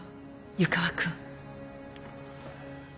湯川君。